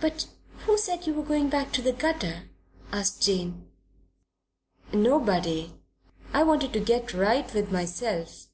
"But who said you were going back to the gutter?" asked Jane. "Nobody. I wanted to get right with myself.